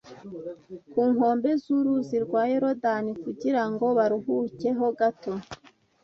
ku nkombe z’uruzi rwa Yorodani kugira ngo baruhukeho gato